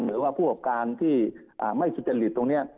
หรือว่าผู้ออการที่อ่าไม่สุดจริงตรงเนี้ย